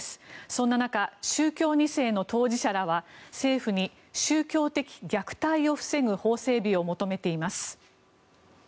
そんな中、宗教２世の当事者らは政府に宗教的虐待を防ぐ法整備を求めています。